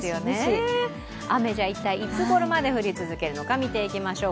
雨、じゃあ、一体、いつ頃まで降り続くのか見ていきましょう。